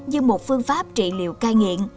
như một phương pháp trị liệu cai nghiện